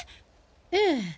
ええ。